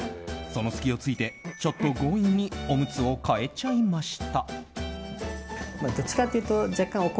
その隙を突いて、ちょっと強引におむつを替えちゃいました。